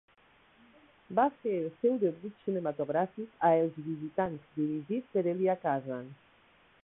Va fer el seu debut cinematogràfic a "Els Visitants", dirigit per Elia Kazan.